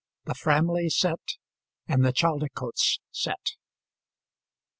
THE FRAMLEY SET, AND THE CHALDICOTES SET.